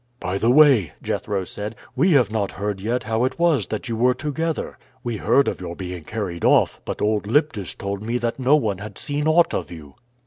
"By the way," Jethro said, "we have not heard yet how it was that you were together. We heard of your being carried off, but old Lyptis told me that no one had seen aught of you."